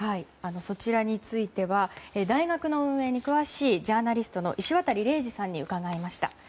そちらについては大学の運営に詳しいジャーナリストの石渡嶺司さんに伺いました。